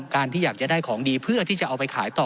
การที่อยากจะได้ของดีเพื่อที่จะเอาไปขายต่อ